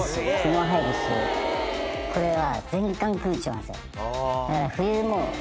これは。